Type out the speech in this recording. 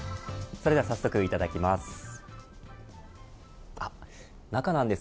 それでは早速いただきます。